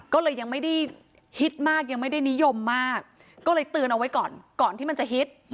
ก็เลยยังไม่ได้ฮิตมากยังไม่ได้นิยมมากก็เลยเตือนเอาไว้ก่อนก่อนที่มันจะฮิต